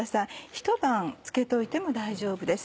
ひと晩漬けておいても大丈夫です。